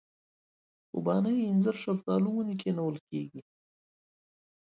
خوبانۍ اینځر شفتالو ونې کښېنول کېږي.